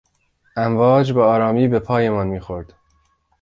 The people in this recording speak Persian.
امواج به آرامی به پایمان میخورد.